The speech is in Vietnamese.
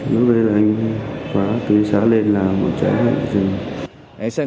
lúc đấy là anh quá tuyến xá lên là một trại hại dừng